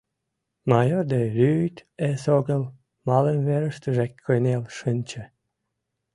— майор де Рюйт эсогыл малымверыштыже кынел шинче.